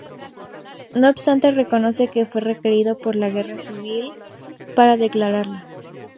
No obstante, reconoce que fue requerido por la Guardia Civil para declarar.